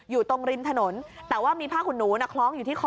อยู่ตรงริมถนนแต่ว่ามีผ้าขุนหนูน่ะคล้องอยู่ที่คอ